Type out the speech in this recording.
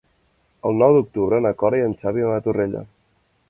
El nou d'octubre na Cora i en Xavi van a Torrella.